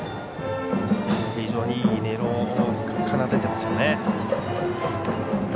非常にいい音色を奏でていますね。